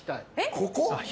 ここ？